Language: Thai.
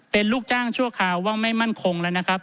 เป็นลูกจ้างชั่วคราวว่าไม่มั่นคงแล้วนะครับ